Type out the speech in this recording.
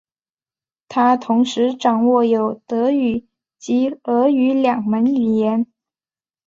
他同时掌握有德语及俄语两门语言。